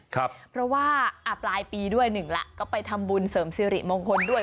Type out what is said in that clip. เพราะว่าปลายปีด้วยหนึ่งแล้วก็ไปทำบุญเสริมสิริมงคลด้วย